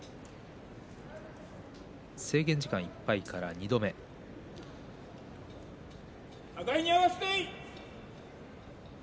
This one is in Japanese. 制限時間いっぱいから２度目です。